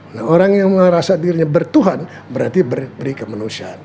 nah orang yang merasa dirinya bertuhan berarti beri kemanusiaan